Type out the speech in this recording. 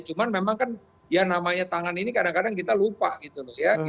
cuman memang kan ya namanya tangan ini kadang kadang kita lupa gitu loh ya